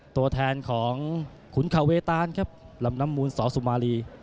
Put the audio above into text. ตัวแทนของขุนคาเวตานครับลำน้ำมูลสอสุมารี